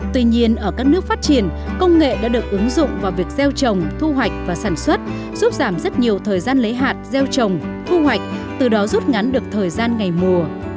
tuy nhiên ở các nước phát triển công nghệ đã được ứng dụng vào việc gieo trồng thu hoạch và sản xuất giúp giảm rất nhiều thời gian lấy hạt gieo trồng thu hoạch từ đó rút ngắn được thời gian ngày mùa